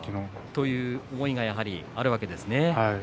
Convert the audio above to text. という思いがやはりあるわけですね。